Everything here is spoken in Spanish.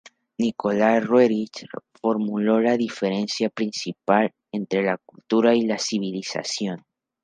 Nikolái Roerich formuló la diferencia principal entre la Cultura y la civilización.